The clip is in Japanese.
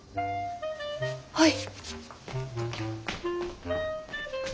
はい。